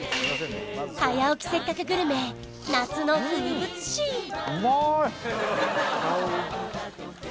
「早起きせっかくグルメ！！」夏の風物詩うまーい！